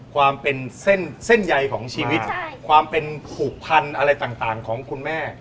ความเป็นเส้นเส้นใยของชีวิตความเป็นผูกพันธุ์อะไรต่างของคุณแม่